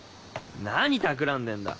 何たくらんでんだ？